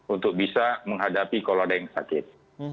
untuk bisa menghadapi kalau ada yang sakit